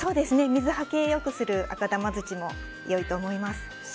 水はけを良くする赤玉土も良いと思います。